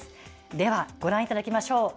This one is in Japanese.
では、ご覧いただきましょう。